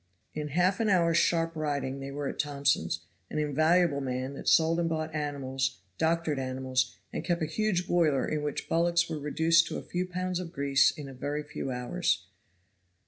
In half an hour's sharp riding they were at Thompson's, an invaluable man that sold and bought animals, doctored animals, and kept a huge boiler in which bullocks were reduced to a few pounds of grease in a very few hours.